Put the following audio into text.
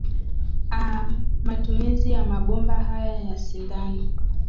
a matumizi ya mabomba haya ya sindano